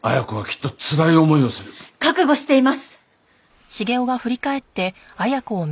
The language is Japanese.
覚悟しています。